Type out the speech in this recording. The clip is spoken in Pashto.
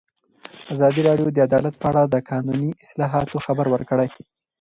ازادي راډیو د عدالت په اړه د قانوني اصلاحاتو خبر ورکړی.